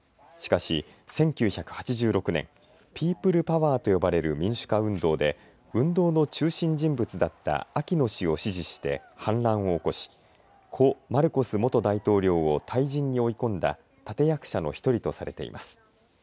しかし、１９８６年ピープルパワーと呼ばれる民主化運動で運動の中心人物だったアキノ氏を支持して反乱を起こし故マルコス大統領を退陣に追い込んだ立て役者のひとりとされています。